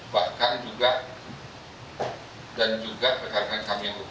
bahkan juga dan juga rekan rekan kami yang luka